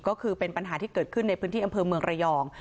ก็คือเป็นปัญหาที่เกิดขึ้นในพื้นที่อำเภอเมืองระยอง